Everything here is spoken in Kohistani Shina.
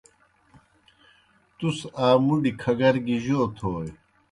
تُس آ مُڈیْ کھگَر گیْ جوْ تھوئے؟